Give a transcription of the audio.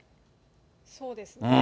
そうですね。